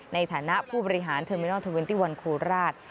ในฐานะผู้บริหารเทอร์เมนอล๒๑โคราช